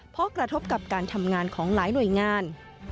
เพราะกระทบกับการทำงานของหลายหน่วยงาน